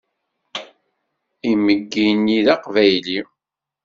Imeggi-nni d Aqbayli.